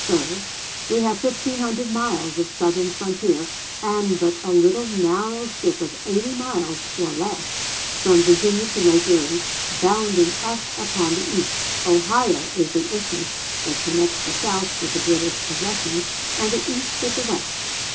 Sir, we have fifteen hundred miles of Southern frontier, and but a little narrow strip of eighty miles, or less, from Virginia to Lake Erie bounding us upon the East. Ohio is the isthmus that connects the South with the British possessions, and the East with the West.